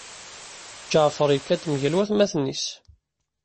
Ǧaɛfeṛ yekka-d mgal watmaten-is.